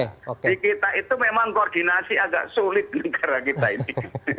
di kita itu memang koordinasi agak sulit negara kita ini